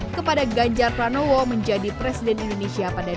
kepada ganjar pranowo menjadi presiden indonesia pada dua ribu dua puluh